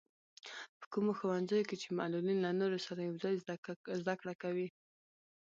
په کومو ښوونځیو کې چې معلولين له نورو سره يوځای زده کړې کوي.